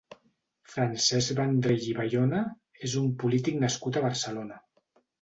Francesc Vendrell i Bayona és un polític nascut a Barcelona.